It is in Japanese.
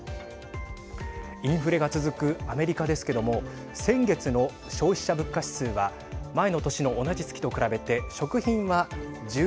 インフレが続くアメリカですけども先月の消費者物価指数は前の年の同じ月と比べて食品は１１．４％。